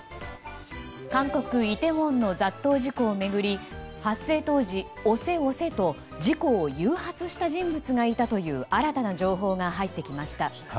韓国イテウォンの雑踏事故を巡り発生当時、押せ、押せと事故を誘発した人物がいたという新たな情報が入ってきました。